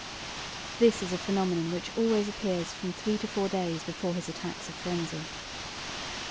This is a phenomenon which always appears from three to four days before his attacks of frenzy.